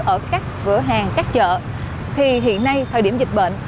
ở các cửa hàng các chợ thì hiện nay thời điểm dịch bệnh